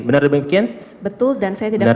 benar demikian betul dan saya tidak mengerti